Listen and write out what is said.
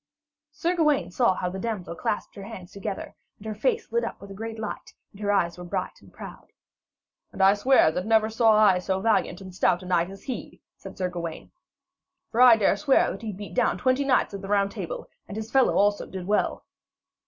Sir Gawaine saw how the damsel clasped her hands together, and her face lit up with a great light and her eyes were bright and proud. 'And I swear that never saw I so valiant and stout a knight as he,' said Sir Gawaine. 'For I dare swear that he beat down twenty knights of the Round Table, and his fellow also did well.'